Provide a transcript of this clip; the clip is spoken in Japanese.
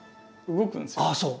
動くんですよ。